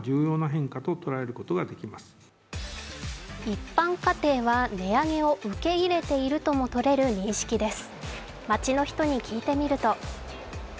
一般家庭は値上げを受け入れているともとれる認識です。